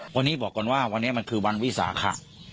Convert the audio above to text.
วันนี้บอกก่อนว่าวันนี้มันคือวันวิสาขะ